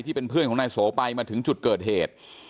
เพื่อนของนายโสไปมาถึงจุดเกิดเหตุ